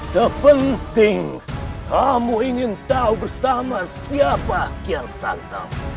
yang penting kamu ingin tahu bersama siapa kian santa